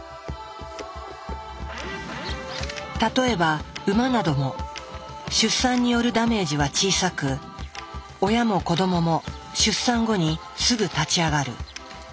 例えば馬なども出産によるダメージは小さく親も子どもも出産後にすぐ立ち上がる。